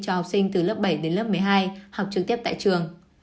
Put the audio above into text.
cho học sinh từ lớp bảy đến lớp một mươi hai học trực tiếp tại trường